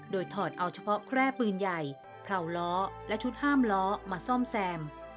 โดยถอดเอาเฉพาะแคร่ปืนใหญ่เผาล้อและชุดห้ามล้อมาซ่อมแซม